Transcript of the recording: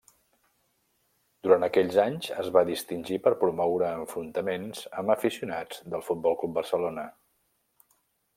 Durant aquells anys es va distingir per promoure enfrontaments amb aficionats del Futbol Club Barcelona.